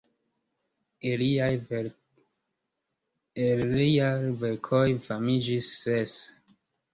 El liaj verkoj famiĝis ses.